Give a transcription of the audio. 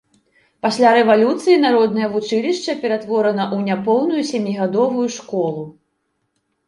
Пасля рэвалюцыі народнае вучылішча ператворана ў няпоўную сямігадовую школу.